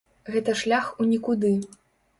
Гэта шлях у нікуды.